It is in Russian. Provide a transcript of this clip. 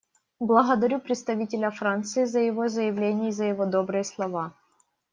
Благодарю представителя Франции за его заявление и за его добрые слова.